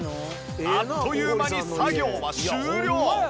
あっという間に作業は終了。